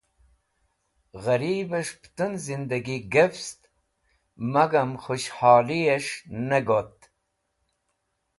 Ghareeb es̃h putun Zindagi Gefst, Magam Khush Haliyes̃h ne got